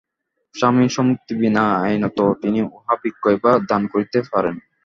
স্বামীর সম্মতি বিনা আইনত তিনি উহা বিক্রয় বা দান করিতে পারেন।